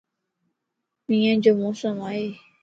مينھن جو موسم ائي